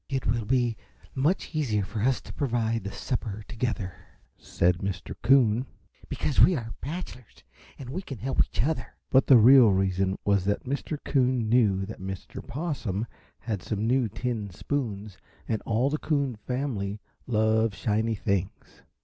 "It will be much easier for us to provide the supper together," said Mr. Coon, "because we are bachelors and we can help each other." But the real reason was that Mr. Coon knew that Mr. Possum had some new tin spoons and all the Coon family love shiny things.